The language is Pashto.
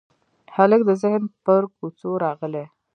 هلک د ذهن پر کوڅو راغلی